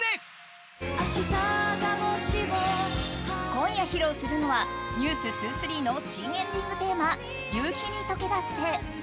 今夜披露するのは「ｎｅｗｓ２３」の新エンディングテーマ「夕陽に溶け出して」。